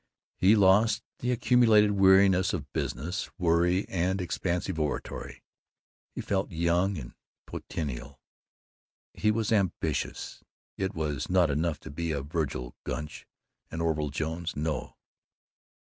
He lost the accumulated weariness of business worry and expansive oratory; he felt young and potential. He was ambitious. It was not enough to be a Vergil Gunch, an Orville Jones. No.